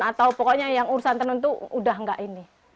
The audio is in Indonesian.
atau pokoknya yang urusan tenun itu sudah enggak ini